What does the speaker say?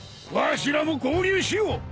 わしらも合流しよう！